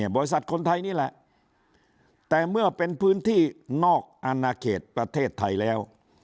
บริษัทคนไทยนี่แหละแต่เมื่อเป็นพื้นที่นอกอนาเขตประเทศไทยแล้ว